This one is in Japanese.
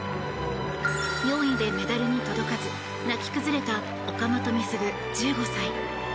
４位でメダルに届かず泣き崩れた岡本碧優、１５歳。